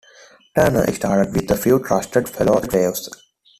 Turner started with a few trusted fellow slaves.